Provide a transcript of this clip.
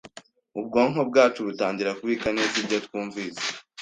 ubwonko bwacu butangira kubika neza ibyo twumvise